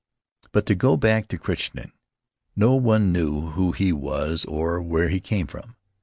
But, to go back to Crichton, no one knew who he was or where he came from.